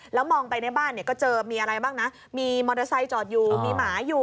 แล้วมองไปในบ้านเนี่ยก็เจอมีอะไรบ้างนะมีมอเตอร์ไซค์จอดอยู่มีหมาอยู่